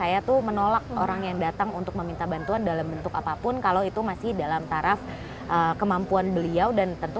jadi saya gak pernah liat saya itu ladisla menolak orang yang datang untuk membantuin dalam metuk apapun kalau itu masih dalam taraf feliz yang tidak bisa an perlu